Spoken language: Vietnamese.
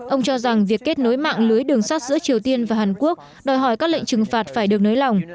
ông cho rằng việc kết nối mạng lưới đường sắt giữa triều tiên và hàn quốc đòi hỏi các lệnh trừng phạt phải được nới lỏng